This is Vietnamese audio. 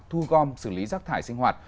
thu gom xử lý rác thải sinh hoạt